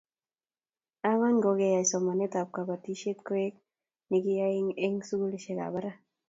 Angwan ko keyai somanetab kobotisiet koek nekiyaei eng sukulisiekap barak